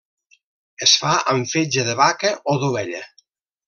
Es fa amb fetge de vaca o d'ovella.